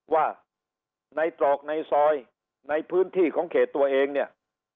ว่าในตรอกในซอยในพื้นที่ของเขตตัวเองเนี่ย